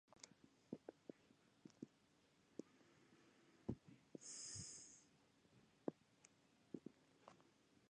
しかるに彼等人間は毫もこの観念がないと見えて我等が見付けた御馳走は必ず彼等のために掠奪せらるるのである